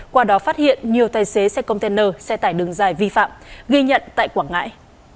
qua đó phát hiện nhiều tài xế xe container xe tải đường dài vi phạm ghi nhận tại quảng ngãi